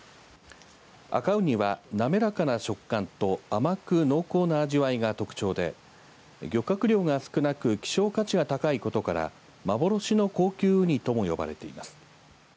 赤ウニは滑らかな食感と甘く濃厚な味わいが特徴で漁獲量が少なく希少価値が高いことから幻の高級ウニとも呼ばれています。